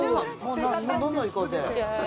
どんどんいこうぜ